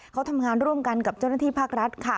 เขาทำงานร่วมกันกับเจ้าหน้าที่ภาครัฐค่ะ